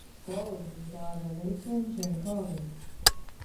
Collins is the daughter of Lisa and Shane Collins.